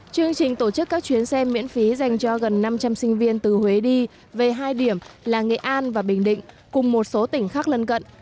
chương trình tổ chức các chuyến xe miễn phí dành cho gần năm trăm linh sinh viên từ huế đi về hai điểm là nghệ an và bình định cùng một số tỉnh khác lân cận